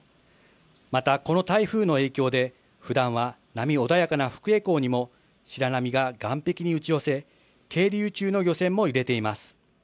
また、この台風の影響でふだんは波穏やかな福江港にも白波が岸壁に打ち寄せ係留中の漁船も揺れています。